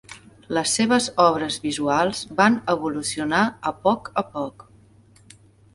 Les seves obres visuals van evolucionar a poc a poc.